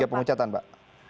hingga pemecatan pak